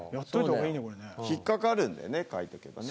これね引っ掛かるんだよね書いとけばね